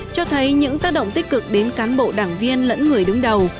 cho thấy những tác động tích cực đến cán bộ đảng viên lẫn người đứng đầu